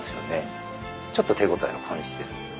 ちょっと手応えを感じてる。